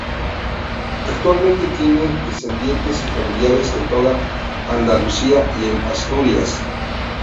Actualmente tiene descendientes y familiares en toda Andalucía y en Asturias.